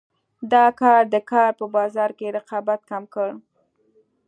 دا کار د کار په بازار کې رقابت کم کړ.